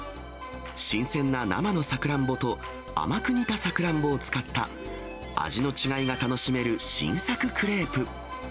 新鮮な生のさくらんぼと、甘く煮たさくらんぼを使った味の違いが楽しめる新作クレープ。